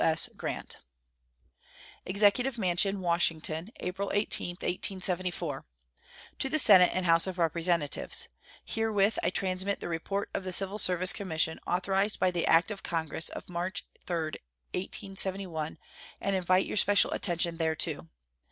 S. GRANT. EXECUTIVE MANSION, Washington, April 18, 1874. To the Senate and House of Representatives: Herewith I transmit the report of the Civil Service Commission authorized by the act of Congress of March 3, 1871, and invite your special attention thereto.